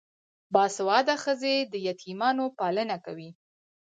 باسواده ښځې د یتیمانو پالنه کوي.